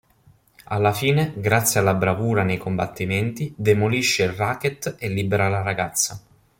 Alla fine grazie alla bravura nei combattimenti demolisce il racket e libera la ragazza.